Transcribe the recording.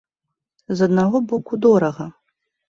З аднаго боку дорага.